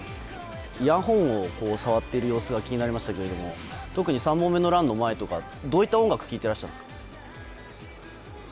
イヤホンを触っている様子が気になりましたけども特に３本目のランの前とかどういった音楽を聴いてらしたんですか？